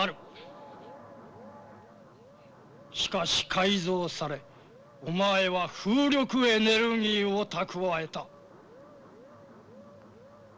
しかし改造されお前は風力エネルギーを蓄えた。